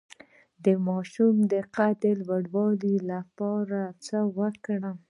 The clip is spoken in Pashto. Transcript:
د ماشوم د قد د لوړیدو لپاره باید څه ورکړم؟